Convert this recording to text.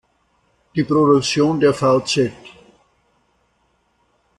Die Produktion der vz.